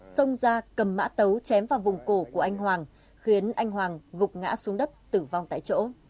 xông ra cầm mã tấu chém vào vùng cổ của anh hoàng khiến anh hoàng gục ngã xuống đất tử vong tại chỗ